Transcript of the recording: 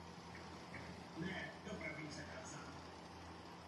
Tomu později porodila syna Achillea.